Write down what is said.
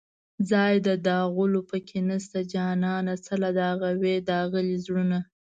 ځای د داغلو په کې نشته جانانه څله داغوې داغلي زړونه